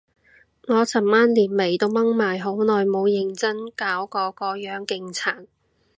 我尋晚連眉都掹埋，好耐冇認真搞過個樣，勁殘